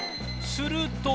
すると